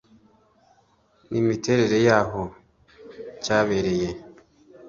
n’imiterere y’aho cyabereye